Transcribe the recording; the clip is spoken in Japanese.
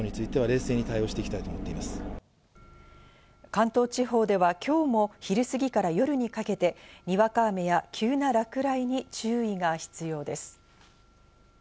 関東地方では今日も昼過ぎから夜にかけてにわか雨や急な落雷に注意が必要です。